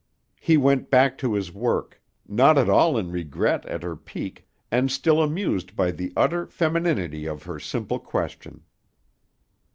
He went back to his work, not at all in regret at her pique and still amused by the utter femininity of her simple question.